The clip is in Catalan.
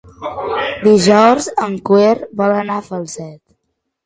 Dijous en Quer vol anar a Falset.